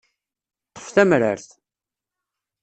Ṭṭef tamrart.